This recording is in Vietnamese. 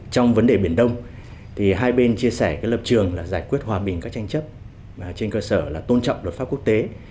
trong vấn đề biển đông hai bên chia sẻ lập trường là giải quyết hòa bình các tranh chấp trên cơ sở là tôn trọng luật pháp quốc tế